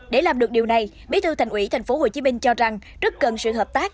để làm được điều này bí thư thành ủy tp hcm cho rằng rất cần sự hợp tác